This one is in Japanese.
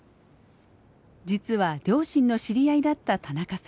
実は両親の知り合いだった田中さん。